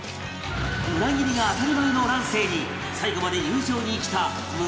裏切りが当たり前の乱世に最後まで友情に生きた胸